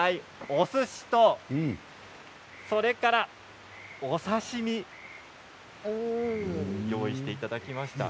おすしとそれからお刺身用意していただきました。